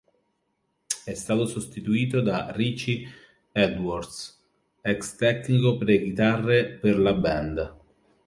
È stato sostituito da Richie Edwards, ex tecnico per le chitarre per la band.